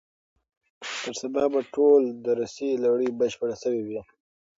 تر سبا به ټوله درسي لړۍ بشپړه سوې وي.